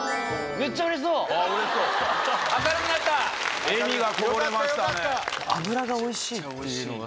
めっちゃおいしいね。